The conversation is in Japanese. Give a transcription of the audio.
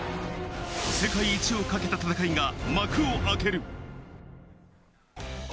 世界一をかけた戦いが幕を開ける。